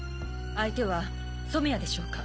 相手は染谷でしょうか？